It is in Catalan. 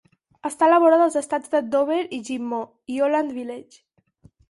Està a la vora dels estats de Dover i Ghim Moh, i Hollland Village.